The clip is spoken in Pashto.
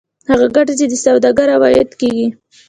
هغه ګټه چې د سوداګر عواید کېږي